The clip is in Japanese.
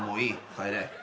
帰れ。